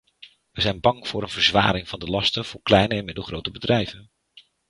Wij zijn bang voor een verzwaring van de lasten voor kleine en middelgrote bedrijven.